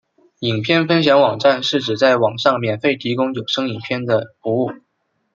影片分享网站是指在网上免费提供有声影片的服务。